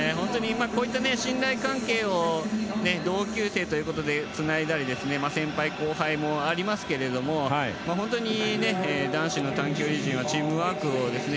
こういった信頼関係を同級生ということでつないだり先輩後輩もありますけれども本当に男子の短距離陣はチームワークをね。